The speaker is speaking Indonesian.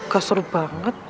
gak seru banget